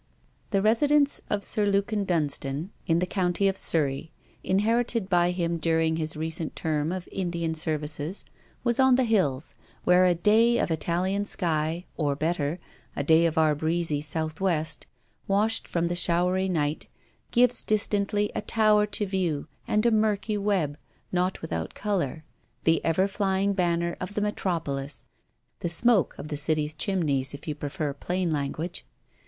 The residence of Sir Lukin Dunstane, in the county of Surrey, inherited by him during his recent term of Indian services, was on the hills, where a day of Italian sky, or better, a day of our breezy South west, washed from the showery night, gives distantly a tower to view, and a murky web, not without colour: the ever flying banner of the metropolis, the smoke of the city's chimneys, if you prefer plain language.